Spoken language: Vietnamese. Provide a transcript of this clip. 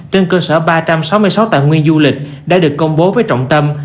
trên cơ sở ba trăm sáu mươi sáu tài nguyên du lịch đã được công bố với trọng tâm